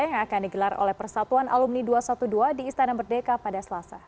yang akan digelar oleh persatuan alumni dua ratus dua belas di istana merdeka pada selasa